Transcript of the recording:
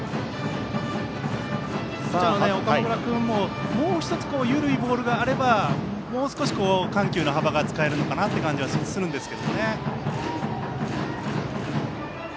岡村君ももう１つ、緩いボールがあればもう少し、緩急の幅が使える感じがするんですが。